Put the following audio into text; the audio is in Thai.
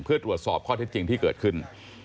เพื่อตรวจสอบข้อเท็จจริงที่เกิดขึ้น